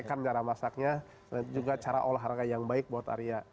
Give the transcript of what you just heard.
kan cara masaknya dan juga cara olahraga yang baik buat arya